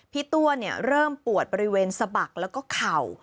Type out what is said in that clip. ตัวเริ่มปวดบริเวณสะบักแล้วก็เข่า